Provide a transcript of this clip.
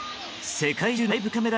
世界中のライブカメラ